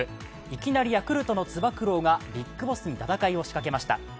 いきなりヤクルトのつば九郎がＢＩＧＢＯＳＳに戦いを仕掛けました。